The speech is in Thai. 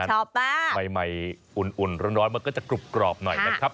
อารมณ์ประมาณนั้นไฟไหมอุ่นร้อนมันก็จะกรุบกรอบหน่อยนะครับ